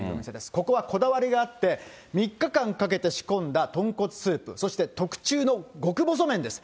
ここはこだわりがあって、３日間かけて仕込んだ豚骨スープ、そして特注の極細麺です。